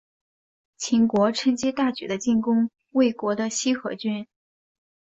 秦国趁机大举的进攻魏国的西河郡。